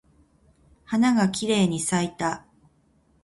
花がきれいに咲いた。